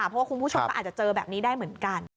เพราะว่าคุณผู้ชมก็อาจจะเจอแบบนี้ได้เหมือนกัน